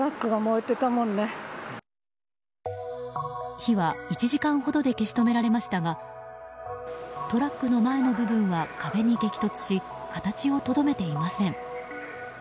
火は、１時間ほどで消し止められましたがトラックの前の部分は壁に激突し形をとどめていません。